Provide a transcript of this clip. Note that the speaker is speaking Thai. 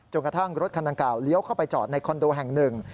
กระทั่งรถคันดังกล่าวเลี้ยวเข้าไปจอดในคอนโดแห่งหนึ่ง